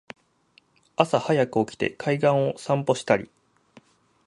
朝はやく起きて海岸を散歩したり